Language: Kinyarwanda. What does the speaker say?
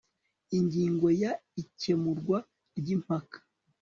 ingingo ya ikemurwa ry impaka